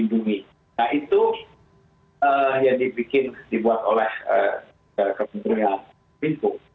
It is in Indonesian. nah itu yang dibuat oleh ketentunya pinco